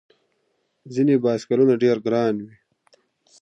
ځینې بایسکلونه ډېر ګران وي.